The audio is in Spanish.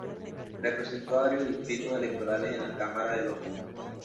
Representó a varios distritos electorales en la Cámara de los Comunes.